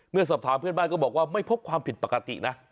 สอบถามเพื่อนบ้านก็บอกว่าไม่พบความผิดปกตินะ